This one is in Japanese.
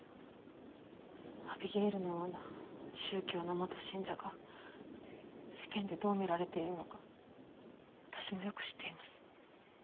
アビゲイルのような宗教の元信者が世間でどう見られているのか私もよく知っています。